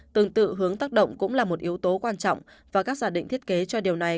tương tự hướng tác động cũng là một yếu tố quan trọng và các giả định thiết kế cho điều này